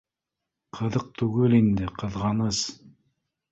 Ҡыҙыҡ түгел инде, ҡыҙғаныс